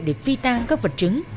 để phi tan các vật chứng